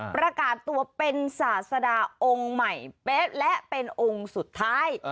ประกาศตัวเป็นศาสดาองค์ใหม่เป๊ะและเป็นองค์สุดท้าย